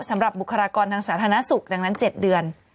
บุคลากรทางสาธารณสุขดังนั้น๗เดือน